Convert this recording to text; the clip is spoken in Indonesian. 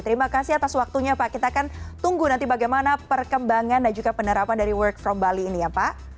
terima kasih atas waktunya pak kita akan tunggu nanti bagaimana perkembangan dan juga penerapan dari work from bali ini ya pak